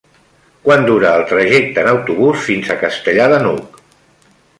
Quant dura el trajecte en autobús fins a Castellar de n'Hug?